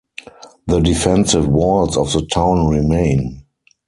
The defensive walls of the town remain.